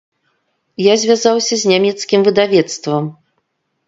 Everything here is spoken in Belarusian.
Я звязаўся з нямецкім выдавецтвам.